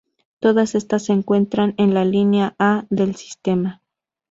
Todas estas se encuentran en la Línea A del sistema.